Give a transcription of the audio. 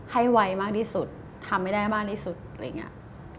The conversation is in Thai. ไวมากที่สุดทำให้ได้มากที่สุดอะไรอย่างนี้